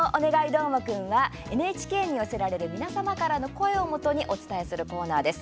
どーもくん」はＮＨＫに寄せられる皆様からの声をもとにお伝えするコーナーです。